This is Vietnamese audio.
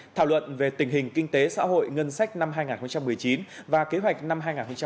thảo luận về tình hình kinh tế xã hội ngân sách năm hai nghìn một mươi chín và kế hoạch năm hai nghìn hai mươi